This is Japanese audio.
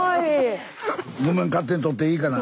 勝手に取っていいかな？